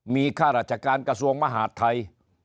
มีค่าราชการกระทรวงมหาดไทย